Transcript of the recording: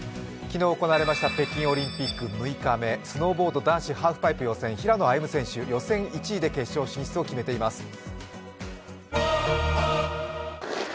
昨日行われました北京オリンピック６日目スノーボード、男子ハーフパイプ平野歩夢、予選１位で決勝進出を決めています